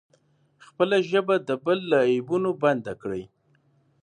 خپله ژبه د بل له عیبونو بنده کړئ.